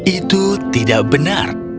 itu tidak benar